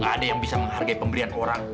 gak ada yang bisa menghargai pemberian orang